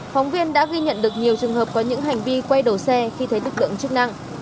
phóng viên đã ghi nhận được nhiều trường hợp có những hành vi quay đầu xe khi thấy lực lượng chức năng